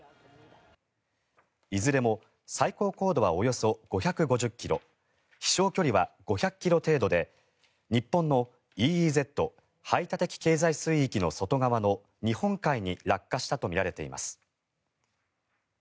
いずれも最高高度はおよそ５５０ｋｍ飛翔距離は５００ｋｍ程度で日本のＥＥＺ・排他的経済水域の外側の日本海に落下したとみられています。